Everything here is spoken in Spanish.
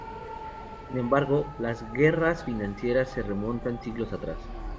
Sin embargo, las guerras financieras se remontan siglos atrás.